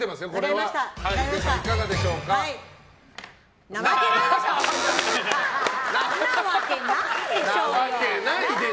はいなわけないでしょ！